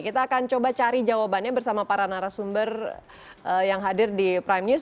kita akan coba cari jawabannya bersama para narasumber yang hadir di prime news